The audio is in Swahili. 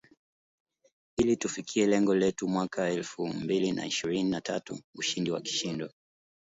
Ili tufikie lengo letu mwaka elfu mbili na ishirini na tatu ushindi wa kishindo